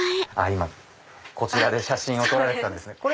今こちらで写真を撮られてたんですね。